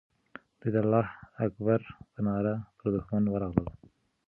دوی د الله اکبر په ناره پر دښمن ورغلل.